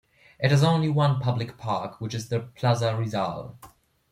It has only one public park, which is the Plaza Rizal.